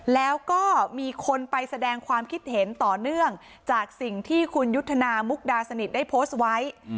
แล้วก็มีคนไปแสดงความคิดเห็นต่อเนื่องจากสิ่งที่คุณยุทธนามุกดาสนิทได้โพสต์ไว้